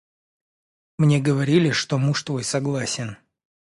Мне говорили, что муж твой согласен.